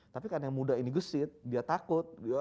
tapi karena yang muda ini gesit dia takut